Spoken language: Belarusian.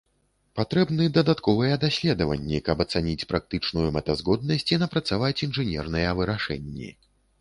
Патрэбны дадатковыя даследванні каб ацаніць практычную мэтазгоднасць і напрацаваць інжынерныя вырашэнні.